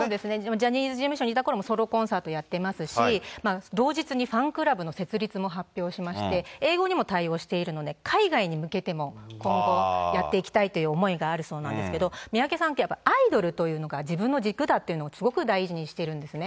ジャニーズ事務所にいたころも、ソロコンサートやっていますし、同日にファンクラブの設立も発表しまして、英語にも対応しているので、海外に向けても今後、やっていきたいという思いがあるそうなんですけど、三宅さんといえば、アイドルというのが自分の軸だっていうのをすごく大事にしているんですね。